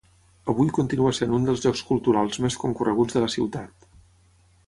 Avui continua sent un dels llocs culturals més concorreguts de la ciutat.